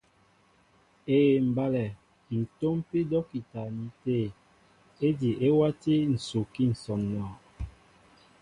Éē mbálɛ, ǹ tómpí dɔ́kita ní tê ejí e wátí ǹsukí ǹsɔǹɔ.